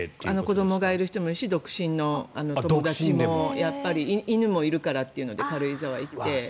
子どもがいる人もいるし独身の方も、犬もいるからというので軽井沢に行って。